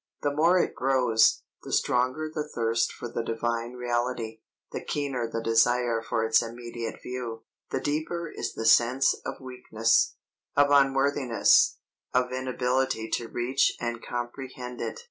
The more it grows, the stronger the thirst for the divine reality, the keener the desire for its immediate view, the deeper is the sense of weakness, of unworthiness, of inability to reach and comprehend it.